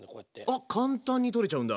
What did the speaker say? あっ簡単に取れちゃうんだ。